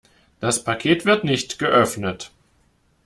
Das Paket wird nicht geöffnet.